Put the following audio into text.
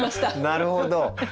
なるほど。